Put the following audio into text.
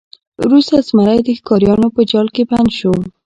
وروسته زمری د ښکاریانو په جال کې بند شو.